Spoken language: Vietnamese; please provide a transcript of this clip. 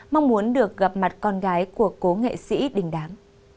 mong muốn được gặp mặt con gái của cố nghệ sĩ đình đám